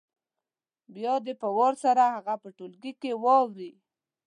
بیا دې په وار سره هغه په ټولګي کې واوروي